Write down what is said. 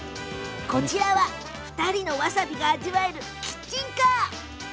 こちらは、２人のわさびが味わえるキッチンカー。